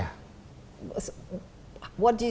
apa pendapat anda sebagai